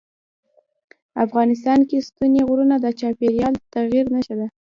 افغانستان کې ستوني غرونه د چاپېریال د تغیر نښه ده.